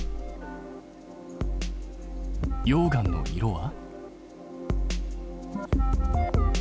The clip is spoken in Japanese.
溶岩の色は？